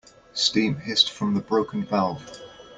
Steam hissed from the broken valve.